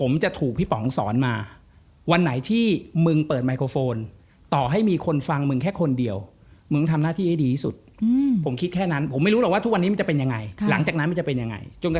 มันเป็นหน้าที่การงานก่อน